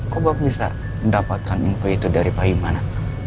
kok bapak bisa mendapatkan info itu dari pak abimana